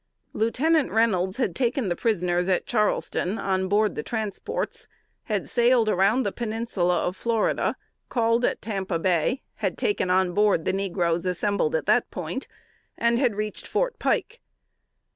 Lieutenant Reynolds had taken the prisoners at Charleston on board the transports; had sailed around the peninsula of Florida; called at Tampa Bay; had taken on board the negroes assembled at that point, and had reached Fort Pike.